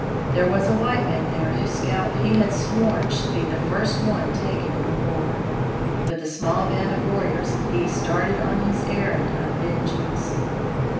There was a white man there whose scalp he had sworn should be the first one taken in the war. With a small band of warriors he started on his errand of vengeance.